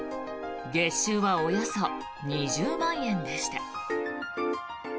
月収はおよそ２０万円でした。